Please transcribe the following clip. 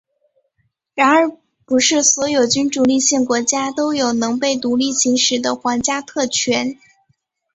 然而不是所有君主立宪国家都有能被独立行使的皇家特权。